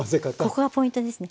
ここがポイントですね。